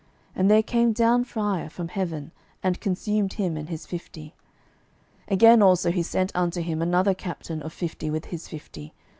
And there came down fire from heaven, and consumed him and his fifty. 12:001:011 Again also he sent unto him another captain of fifty with his fifty.